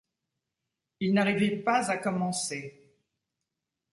Il n'arrivait pas à commencer.